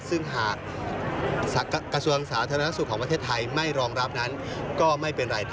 ซึ่งหากกระทรวงสาธารณสุขของประเทศไทยไม่รองรับนั้นก็ไม่เป็นไร